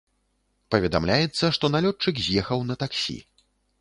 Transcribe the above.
Паведамляецца, што налётчык з'ехаў на таксі.